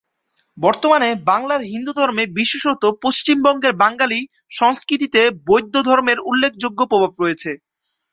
বর্তমানে বাংলার হিন্দুধর্মে বিশেষত পশ্চিমবঙ্গের বাঙালি সংস্কৃতিতে বৌদ্ধ ধর্মের উল্লেখযোগ্য প্রভাব রয়েছে।